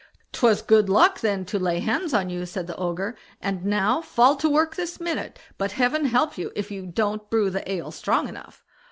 "Twas good luck then to lay hands on you", said the Ogre, "and now fall to work this minute; but heaven help you if you don't brew the ale strong enough."